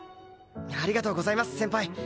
ありがとうございます先輩。